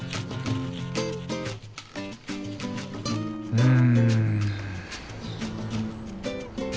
うん。